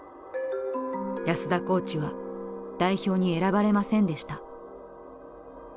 安田コーチは代表に選ばれませんでした。